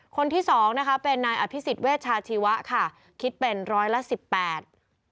คนที่สองนะคะเป็นนายอภิษฎเวชาชีวะค่ะคิดเป็นร้อยละสิบแปด